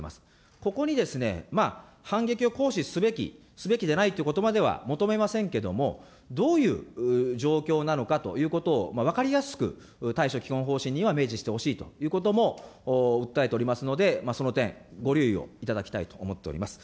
ここにですね、反撃を行使すべき、すべきじゃないということまでは求めませんけども、どういう状況なのかということを分かりやすく対処基本方針には明示してほしいということも訴えておりますので、その点、ご留意をいただきたいと思っております。